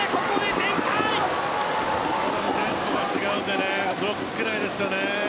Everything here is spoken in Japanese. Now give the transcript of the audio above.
テンポが違うのでブロックがつけないですよね。